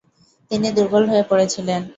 তিনি দুর্বল হয়ে পড়েছিলেন।